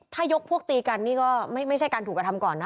ถ้ายกพวกตีกันนี่ก็ไม่ใช่การถูกกระทำก่อนนะ